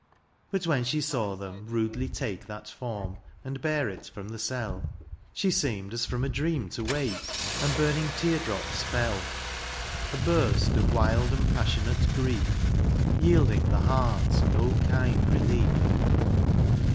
But when she saw them rudely take That form, and bear it from the cell. She seemed as from a dream to wake. And burning tear drops fell :— A burst of wild and passionate grief. Yielding the heart no kind relief.